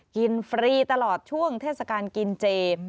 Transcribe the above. ฟรีตลอดช่วงเทศกาลกินเจ